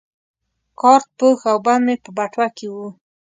کارت پوښ او بند مې په بټوه کې وو.